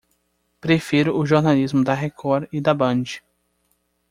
Prefiro o jornalismo da Record e da Band.